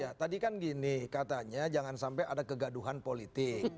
ya tadi kan gini katanya jangan sampai ada kegaduhan politik